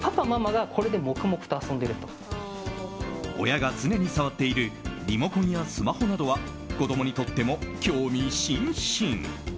親が常に触っているリモコンやスマホなどは子供にとっても興味津々。